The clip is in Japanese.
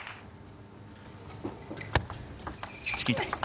チキータ。